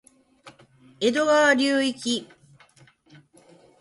江戸川流域